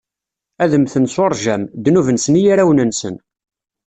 Ad mmten s uṛjam: ddnub-nsen i yirawen-nsen.